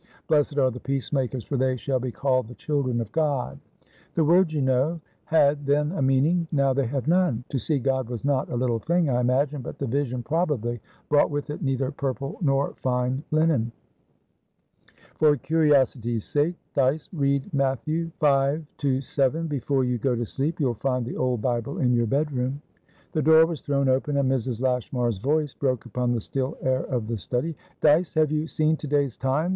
Blessed are the peacemakers, for they shall be called the children of God.' The words, you know, had then a meaning. Now they have none. To see God was not a little thing, I imagine, but the vision, probably, brought with it neither purple nor fine linen. For curiosity's sake, Dyce, read Matthew v. to vii. before you go to sleep. You'll find the old Bible in your bedroom." The door was thrown open, and Mrs. Lashmar's voice broke upon the still air of the study. "Dyce, have you seen to day's Times?